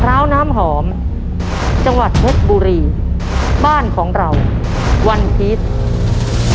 ้าวน้ำหอมจังหวัดเพชรบุรีบ้านของเราวันพีช